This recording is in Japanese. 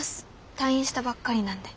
退院したばっかりなんで。